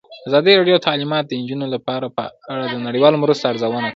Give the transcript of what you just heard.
ازادي راډیو د تعلیمات د نجونو لپاره په اړه د نړیوالو مرستو ارزونه کړې.